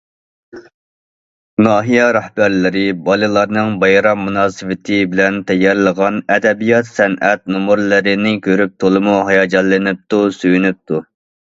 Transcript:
ناھىيە رەھبەرلىرى بالىلارنىڭ بايرام مۇناسىۋىتى بىلەن تەييارلىغان ئەدەبىيات- سەنئەت نومۇرلىرىنى كۆرۈپ، تولىمۇ ھاياجانلىنىپتۇ، سۆيۈنۈپتۇ.